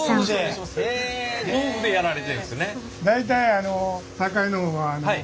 へえ夫婦でやられてるんですね。